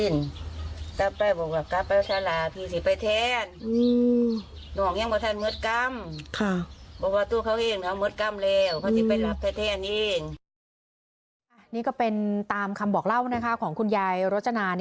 นี่ก็เป็นตามคำบอกเล่าของคุณยายรจนา